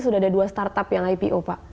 sudah ada dua startup yang ipo pak